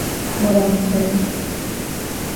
Bora ni kweli.